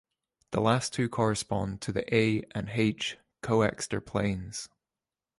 The last two correspond to the A and H Coxeter planes.